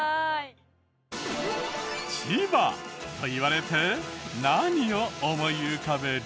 「千葉」といわれて何を思い浮かべる？